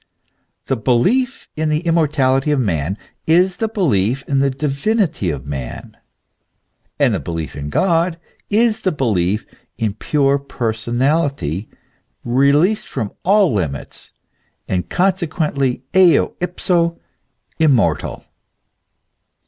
The belief in the immortality of man is the belief in the divinity of man, and the belief in God is the belief in pure person ality, released from all limits, and consequently eo ipso immortal.